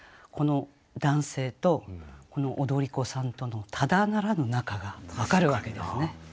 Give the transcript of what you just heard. この男性とこの踊子さんとのただならぬ仲が分かるわけですね。